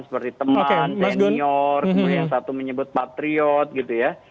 seperti teman senior kemudian yang satu menyebut patriot gitu ya